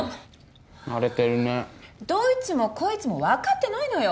荒れてるねどいつもこいつも分かってないのよ